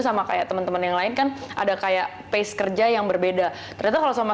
sama kayak temen temen yang lain kan ada kayak pace kerja yang berbeda ternyata kalau sama